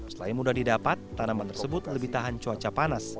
selain mudah didapat tanaman tersebut lebih tahan cuaca panas